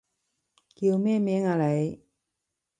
叫咩名啊你？